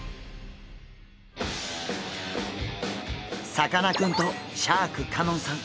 さかなクンとシャーク香音さん